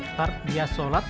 ntar dia sholat